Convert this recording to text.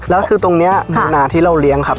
แล้วคือตรงนี้มีนาที่เราเลี้ยงครับ